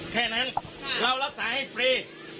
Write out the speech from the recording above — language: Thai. แค่นั้นเรารักษาให้ฟรี